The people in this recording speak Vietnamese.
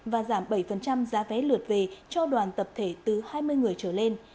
và giảm bảy giá vé lượt về cho đoàn tập thể từ hai mươi người trở lên